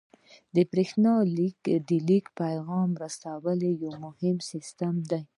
د بریښنایي لیک پیغام رسولو یو مهم سیستم دی.